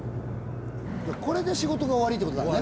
これで仕事が終わりって事だね。